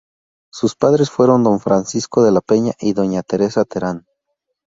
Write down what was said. Sus padres fueron don Francisco de la Peña y doña Teresa Terán.